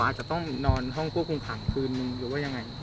อาจจะต้องนอนห้องควบคุมขังคืนนึงหรือว่ายังไง